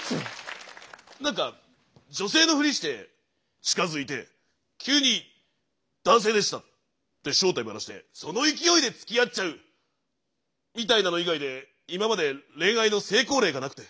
なんか女性のふりして近づいて急に「男性でした！」って正体バラしてその勢いでつきあっちゃうみたいなの以外で今まで恋愛の成功例がなくて。